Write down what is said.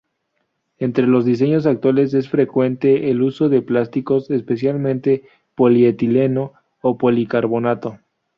Entre los diseños actuales es frecuente el uso de plásticos, especialmente polietileno o policarbonato.